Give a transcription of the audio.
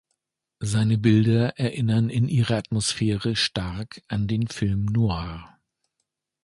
Seine Bilder erinnern in ihrer Atmosphäre stark an den film noir.